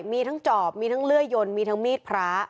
มีทั้งจอบมีทั้งเลื่อยยนมีทั้งมีดพระ